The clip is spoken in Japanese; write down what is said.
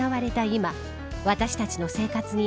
今私たちの生活に